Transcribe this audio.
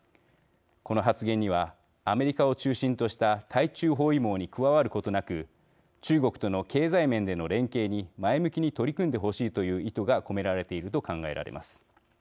この発言にはアメリカを中心とした対中包囲網に加わることなく中国との経済面での連携に前向きに取り組んでほしいという意図が込められていると考えられます。